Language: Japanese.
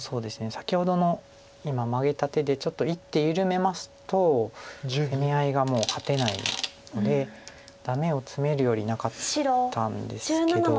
先ほどの今マゲた手でちょっと一手緩めますと攻め合いがもう勝てないのでダメをツメるよりなかったんですけど。